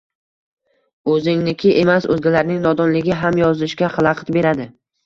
O`zingniki emas, o`zgalarning nodonligi ham yozishga xalaqit beradi